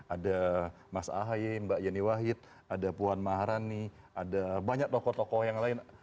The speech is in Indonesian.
ada mas ahaye mbak yeni wahid ada puan maharani ada banyak tokoh tokoh yang lain